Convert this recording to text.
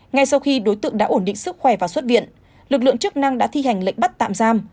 ngay sau khi đối tượng đã ổn định sức khỏe và xuất viện lực lượng chức năng đã thi hành lệnh bắt tạm giam